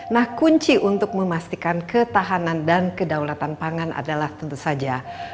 nah kunci untuk memastikan ketahanan dan kedaulatan pangan adalah tentu saja